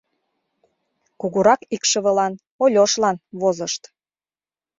Кугурак икшывылан, Ольошлан, возышт.